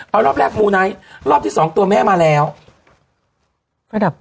เอารอบแรกมูไนท์รอบที่สองตัวแม่มาแล้วระดับ